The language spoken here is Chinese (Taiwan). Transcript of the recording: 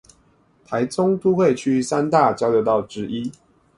臺中都會區三大交流道之一